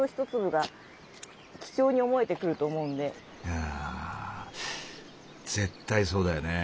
いやあ絶対そうだよね。